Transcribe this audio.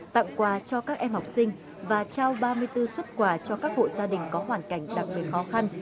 tặng quà cho các em học sinh và trao ba mươi bốn xuất quà cho các hộ gia đình có hoàn cảnh đặc biệt khó khăn